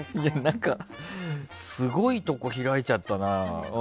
何か、すごいところ開いちゃったな。